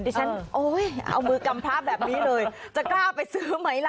ดิฉันโอ้ยเอามือกรรมภาพแบบนี้เลยจะกล้าไปซื้อไหมล่ะ